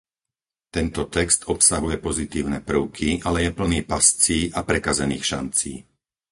Tento text obsahuje pozitívne prvky, ale je plný pascí a prekazených šancí.